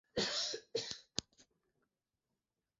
Mapigano baina ya polisi yameuwa takriban watu mia tangu wakati huo